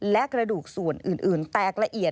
และกระดูกส่วนอื่นแตกละเอียด